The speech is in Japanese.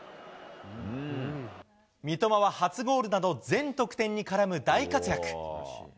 三笘は初ゴールなど、全得点に絡む大活躍。